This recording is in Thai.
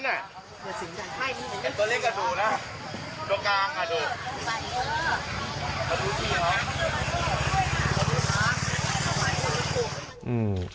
กระดูกข้าง